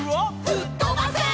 「ふっとばせ」